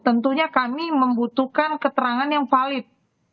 tentunya kami membutuhkan keterangan yang valid